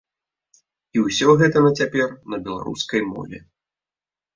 І ўсё гэта на цяпер на беларускай мове!